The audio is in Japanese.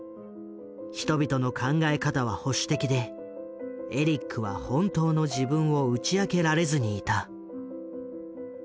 人々の考え方は保守的でエリックは本当の自分を打ち明けられずにいた。